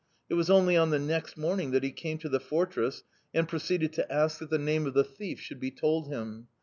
It was only on the next morning that he came to the fortress and proceeded to ask that the name of the thief should be told him.